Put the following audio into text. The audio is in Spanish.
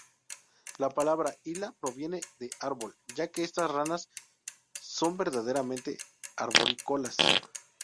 La palabra "Hyla" proviene de "árbol", ya que estas ranas son verdaderamente arborícolas.